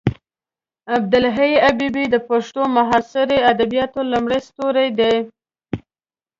عبدالحی حبیبي د پښتو معاصرو ادبیاتو لومړی ستوری دی.